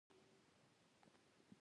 په غالۍ کې د ژوند کیسې انځورېږي.